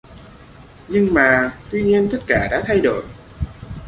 Nhưng mà Tuy nhiên tất cả đã thay đổi